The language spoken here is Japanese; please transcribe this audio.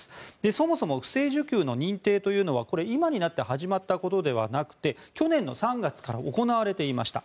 そもそも不正受給の認定というのはこれ、今になって始まったことではなくて去年の３月から行われていました。